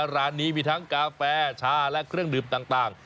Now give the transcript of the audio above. ร้านนี้มีทั้งกาแฟชาและเครื่องดื่มต่าง